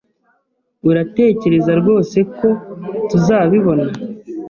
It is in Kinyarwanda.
Uratekereza rwose ko tuzabibona?